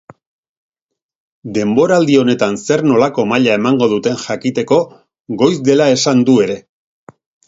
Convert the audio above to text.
Denboraldi honetan zer nolako maila emango duten jakiteko goiz dela esan du ere.